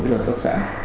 cái loại xuất sản